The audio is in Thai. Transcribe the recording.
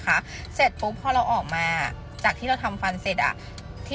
เสร็จปุ๊บพอเราออกมาจากที่เราทำฟันเสร็จอ่ะที่